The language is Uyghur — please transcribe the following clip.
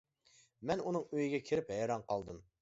مەن ئۇنىڭ ئۆيىگە كىرىپ ھەيران قالدىم.